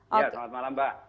ya selamat malam mbak